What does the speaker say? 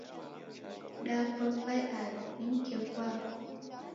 Da kwavae ani? Ni mkeku wako?